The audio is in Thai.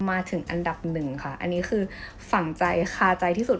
มาถึงอันดับหนึ่งค่ะอันนี้คือฝั่งใจคาใจที่สุด